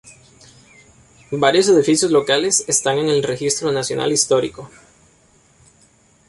Varios edificios locales están en el Registro Nacional Histórico.